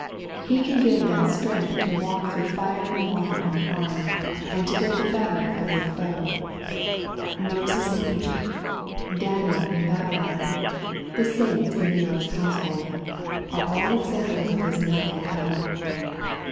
He can give them strength to walk through fire and water unharmed, and to get the better of every foe. Moses in Egypt, Daniel in Babylon, the saints in Nero's household, are all examples of His mighty power.